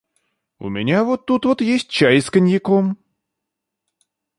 У меня вот тут вот есть чай с коньяком.